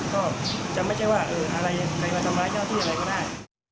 ก็จะไม่ใช่ว่าใครมาทำร้ายเช่นอาทิตย์อะไรก็ได้